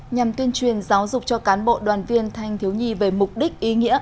nhằm tuyên truyền giáo dục cho cán bộ đoàn viên thanh thiếu nhi về mục đích ý nghĩa